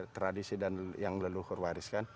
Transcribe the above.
tradisi dan yang leluhur wariskan